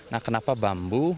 nah kenapa bambu